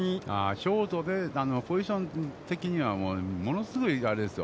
ショートで、ポジション的には、物すごいあれですよ。